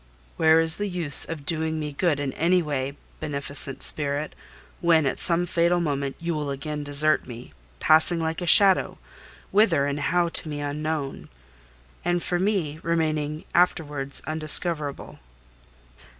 "Where is the use of doing me good in any way, beneficent spirit, when, at some fatal moment, you will again desert me—passing like a shadow, whither and how to me unknown, and for me remaining afterwards undiscoverable?"